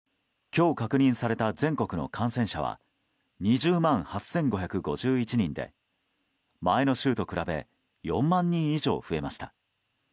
今日確認された全国の感染者は２０万８５５１人で前の週と比べ４万人以上増えました。